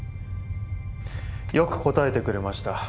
よく答えてくれました。